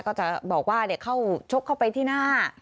ก็จะบอกว่าเข้าชกเข้าไปที่หน้า